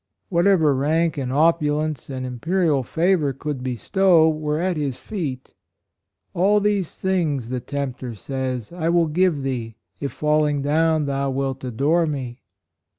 Whatever rank and opulence and imperial favor could bestow, were at his feet. "All these things," the tempter said, " I will give thee, if falling down thou wilt adore me."